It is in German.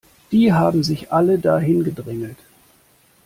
Die haben sich alle da hingedrängelt.